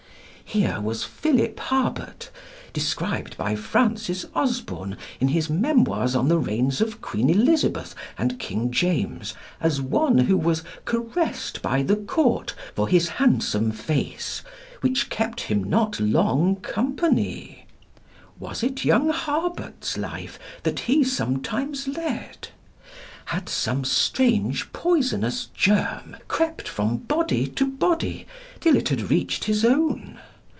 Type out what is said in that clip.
Here was Philip Herbert, described by Francis Osborne in his Memoirs on the Reigns of Queen Elizabeth and King James as one who was "caressed by the Court for his handsome face, which kept him not long company." Was it young Herbert's life that he sometimes led? Had some strange poisonous germ crept from body to body till it had reached his own?